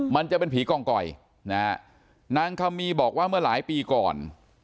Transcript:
มันจะเป็นผีกองกอยนะฮะนางคำมีบอกว่าเมื่อหลายปีก่อน